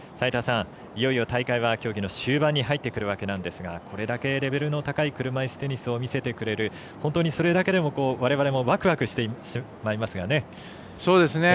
いよいよ大会は競技の終盤に入ってくるわけなんですがこれだけレベルの高い車いすテニスを見せてくれる本当にこれだけでもわれわれもワクワクしてしまいますね。